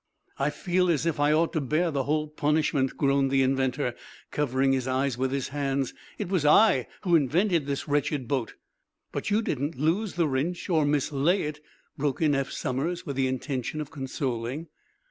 "I feel as if I ought to bear the whole punishment," groaned the inventor, covering his eyes with his hands. "It was I who invented this wretched boat!" "But you didn't lose the wrench, or mislay it," broke in Eph Somers, with the intention of consoling.